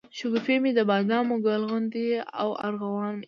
شګوفې مي دبادامو، ګل غونډۍ او ارغوان مي